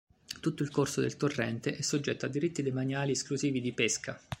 Tutto il corso del torrente è soggetto a diritti demaniali esclusivi di pesca.